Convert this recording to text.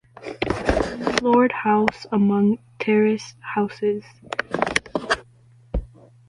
Floored house among terraced houses.